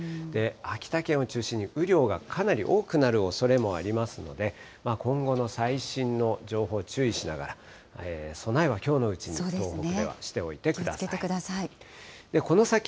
秋田県を中心に雨量がかなり多くなるおそれもありますので、今後の最新の情報、注意しながら、備えはきょうのうちに、気をつけてください。